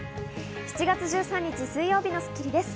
７月１３日、水曜日の『スッキリ』です。